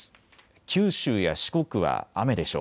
九州や四国は雨でしょう。